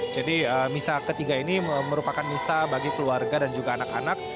jadi misa ketiga ini merupakan misa bagi keluarga dan juga anak anak